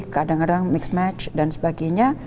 kadang kadang mix match dan sebagainya